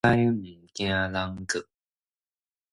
石獅嘛驚人告